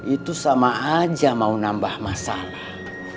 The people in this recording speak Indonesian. itu sama aja mau nambah masalah